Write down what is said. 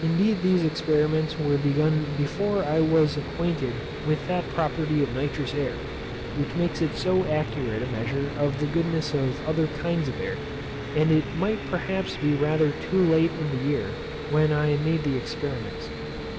Indeed these experiments were begun before I was acquainted with that property of nitrous air, which makes it so accurate a measure of the goodness of other kinds of air; and it might perhaps be rather too late in the year when I made the experiments.